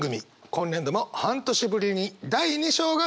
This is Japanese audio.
今年度も半年ぶりに第二章がスタートです！